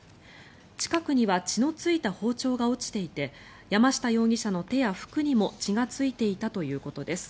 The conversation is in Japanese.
近くには血のついた包丁が落ちていて山下容疑者の手や服にも血がついていたということです。